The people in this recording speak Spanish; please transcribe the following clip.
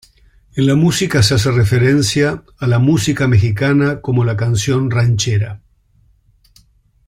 En la música se hace referencia a la "música" mexicana, como la canción ranchera.